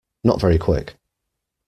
Not very quick.